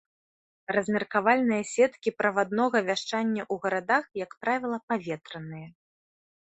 Размеркавальныя сеткі праваднога вяшчання ў гарадах, як правіла, паветраныя.